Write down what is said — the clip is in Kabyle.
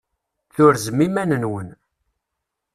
Turzem iman-nwen.